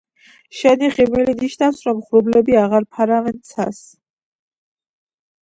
შენი ღიმილი ნიშნავს რომ ღრუბლები აღარ ფარავენ ცას